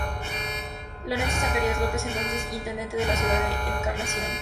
Lorenzo Zacarías López, entonces Intendente de la ciudad de Encarnación.